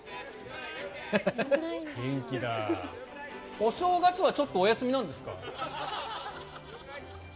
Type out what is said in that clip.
お正月はちょっとお休みなんですか？